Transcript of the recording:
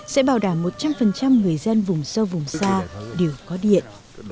cả một trăm linh người dân vùng sâu vùng xa đều có điện